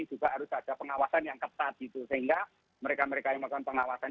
juga harus ada pengawasan yang ketat gitu sehingga mereka mereka yang melakukan pengawasan